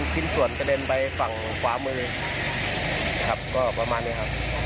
ชิ้นส่วนกระเด็นไปฝั่งขวามือครับก็ประมาณนี้ครับ